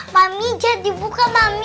mami jangan dibuka mami